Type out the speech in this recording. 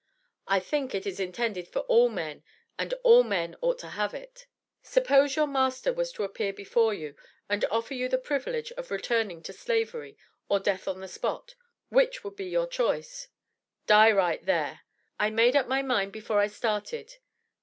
"I think it is intended for all men, and all men ought to have it." "Suppose your master was to appear before you, and offer you the privilege of returning to Slavery or death on the spot, which would be your choice?" "Die right there. I made up my mind before I started."